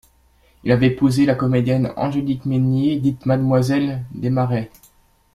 Il avait épousé la comédienne Angélique Mesnier, dite Mademoiselle Desmarest.